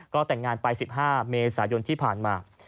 ก็แต่งงานไป๑๕เมษายนที่ผ่านมา